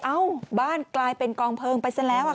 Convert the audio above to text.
เอ้าบ้านกลายเป็นกองเพลิงไปซะแล้วค่ะ